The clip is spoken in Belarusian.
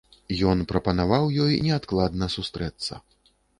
Ён прапанаваў ёй неадкладна сустрэцца.